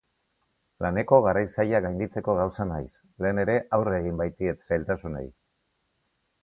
Laneko garai zailak gainditzeko gauza naiz, lehen ere aurre egin baitiet zailtasunei.